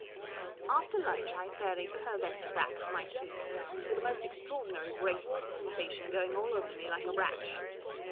A FTER lunch I fairly curvetted back to ^ my suite, with a most extraordinary braced sensation going all over me like a rash.